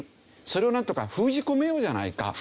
それをなんとか封じ込めようじゃないか。